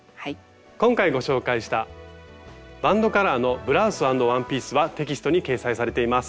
今回ご紹介した「バンドカラーのブラウス＆ワンピース」はテキストに掲載されています。